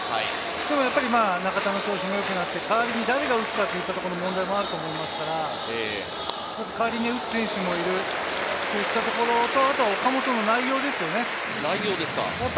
でも中田の調子も良くなって代わりに誰が打つかっていう問題もありますから、代わりに打つ選手もいるといったところと、あとは岡本の内容ですよね。